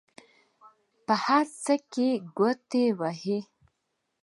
په هر څه کې ګوتې وهي.